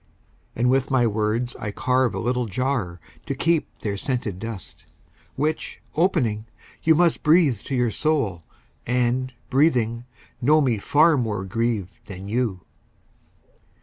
And with my words I carve a little jar To keep their scented dust, Which, opening, you must Breathe to your soul, and, breathing, know me far More grieved than you.